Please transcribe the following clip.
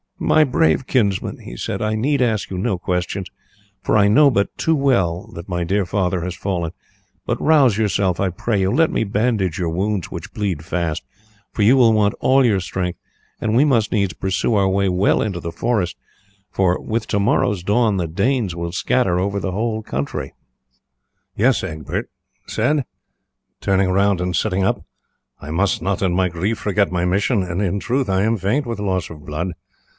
"My brave kinsman," he said, "I need ask you no questions, for I know but too well that my dear father has fallen; but rouse yourself, I pray you; let me bandage your wounds, which bleed fast, for you will want all your strength, and we must needs pursue our way well into the forest, for with to morrow's dawn the Danes will scatter over the whole country." "Yes," Egbert said, turning round and sitting up, "I must not in my grief forget my mission, and in truth I am faint with loss of blood.